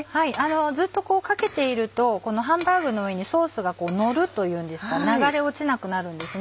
ずっとこうかけているとハンバーグの上にソースがのるというんですか流れ落ちなくなるんですね。